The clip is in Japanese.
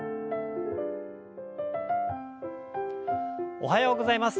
おはようございます。